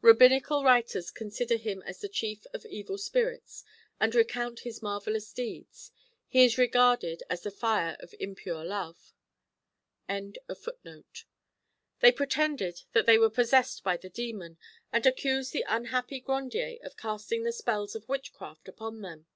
Rabbinical writers consider him as the chief of evil spirits, and recount his marvellous deeds. He is regarded as the fire of impure love.] They pretended that they were possessed by the demon, and accused the unhappy Grandier of casting the spells of witchcraft upon them.